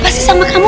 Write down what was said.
apa sih sama kamu